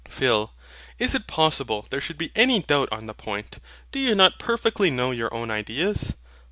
PHIL. Is it possible there should be any doubt on the point? Do you not perfectly know your own ideas?